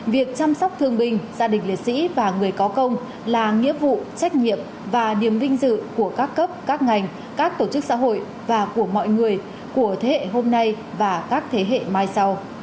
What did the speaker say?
việc chăm sóc thương binh gia đình liệt sĩ và người có công là nghĩa vụ trách nhiệm và niềm vinh dự của các cấp các ngành các tổ chức xã hội và của mọi người của thế hệ hôm nay và các thế hệ mai sau